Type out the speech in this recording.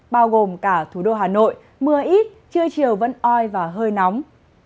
bao gồm cả thủ đô hà nội mưa ít trưa chiều vẫn oi và hơi nóng